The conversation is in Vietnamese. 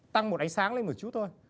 tăng một ánh sáng lên một chút thôi